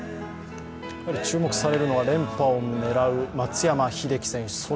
注目されるのは連覇を狙う松山英樹選手。